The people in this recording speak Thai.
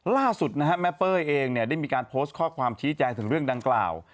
ล่าสุดนะฮะแม่เป้ยเองได้มีการโพสต์ข้อความชี้แจงถึงเรื่องดังกล่าว